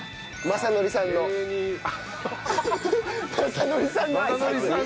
雅紀さんのね。